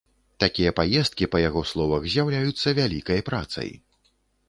Такія паездкі, па яго словах, з'яўляюцца вялікай працай.